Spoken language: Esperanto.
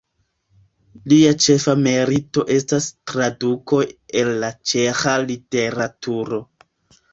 Lia ĉefa merito estas tradukoj el la ĉeĥa literaturo.